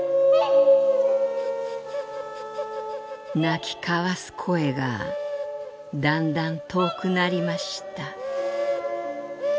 「鳴き交わす声がだんだん遠くなりました」。